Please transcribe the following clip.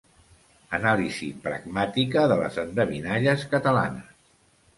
Anàlisi pragmàtica de les endevinalles catalanes.